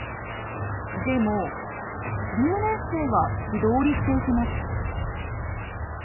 でも留年生は素通りしていきます。